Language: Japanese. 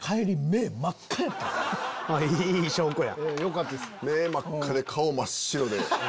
目真っ赤で顔真っ白で。